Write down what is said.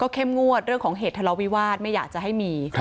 เค็มงวดเรื่องเหตุธาระวิวาสไม่อยากจะให้มี